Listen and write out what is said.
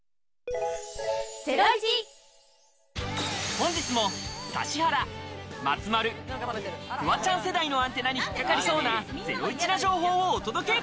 本日も指原、松丸、フワちゃん世代のアンテナに引っ掛かりそうなゼロイチな情報をお届け！